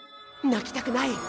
泣きたくない！